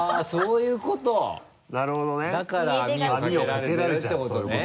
だから網をかけられてるっていうことね。